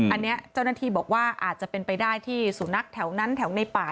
อันนี้เจ้าหน้าที่บอกว่าอาจจะเป็นไปได้ที่สุนัขแถวนั้นแถวในป่า